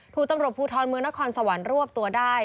ถูกตำรวจภูทรเมืองนครสวรรค์รวบตัวได้